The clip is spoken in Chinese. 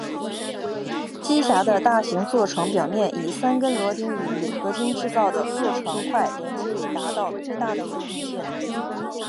机匣的大型座床表面以三根螺钉与铝合金制造的座床块连接以达到最大的稳定性。